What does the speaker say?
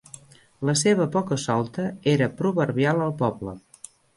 La seva poca-solta era proverbial al poble.